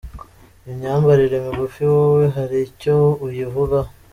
Imyambarire migufi wowe hari icyo uyivugaho?.